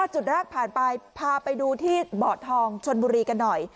จุดแรกผ่านไปพาไปดูที่เบาะทองชนบุรีกันหน่อย